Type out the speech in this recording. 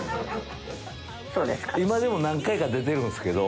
今でも何回か出てるんすけど。